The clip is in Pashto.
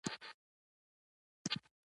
د ایران دربار ته واستوي.